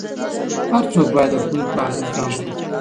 هر څوک باید د پوهې په ارزښت ځان پوه کړي.